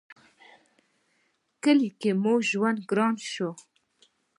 کلي کې مو ژوند گران شو